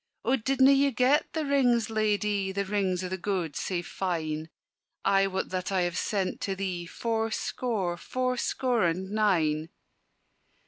"O didna ye get the rings, Ladye, The rings o' the gowd sae fine? I wot that I have sent to thee Four score, four score and nine."